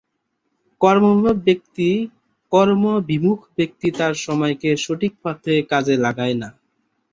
কর্মবিমুখ ব্যক্তি তার সময়কে সঠিক পথে কাজে লাগায় না।